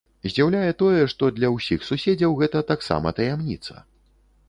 Здзіўляе тое, што для ўсіх суседзяў гэта таксама таямніца.